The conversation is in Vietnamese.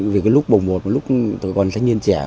vì cái lúc bồng một là lúc tôi còn thanh niên trẻ